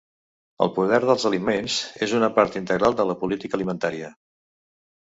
El poder dels aliments és una part integral de la política alimentària.